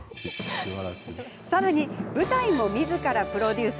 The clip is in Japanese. さらに、舞台もみずからプロデュース。